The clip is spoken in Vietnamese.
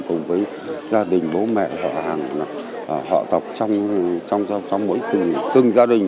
cùng với gia đình bố mẹ họ hàng họ tộc trong mỗi tương gia đình